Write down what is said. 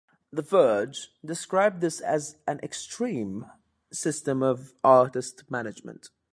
"The Verge" described this as an "extreme" system of artist management.